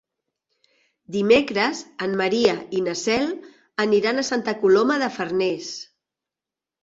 Dimecres en Maria i na Cel aniran a Santa Coloma de Farners.